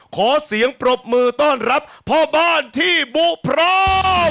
ขอเสียงปรบมือต้อนรับพ่อบ้านที่บุพร้อม